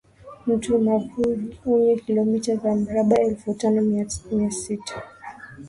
Mto Mavuji wenye kilometa za mraba elfu tano mia sita